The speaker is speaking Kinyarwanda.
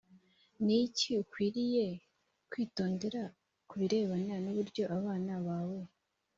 ni iki ukwiriye kwitondera ku birebana n uburyo abana bawe